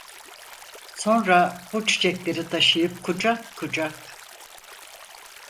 Sonra bu çiçekleri taşıyıp kucak kucak.